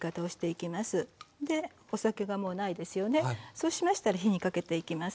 そうしましたら火にかけていきます。